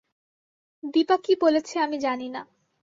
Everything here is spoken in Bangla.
দিপা কী বলেছে আমি জানি না।